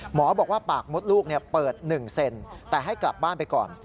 หมอบอกว่าปากมดลูกเปิด๑เซนแต่ให้กลับบ้านไปก่อน